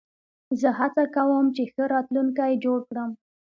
زه هڅه کوم، چي ښه راتلونکی جوړ کړم.